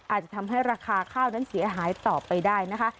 อาจจะทำให้ราคาข้าวนั้นเสียหายต่อไปได้นะคะ